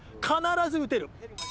必ず打てる！